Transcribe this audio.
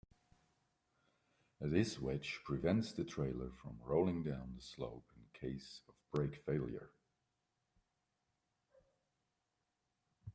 This wedge prevents the trailer from rolling down the slope in case of brake failure.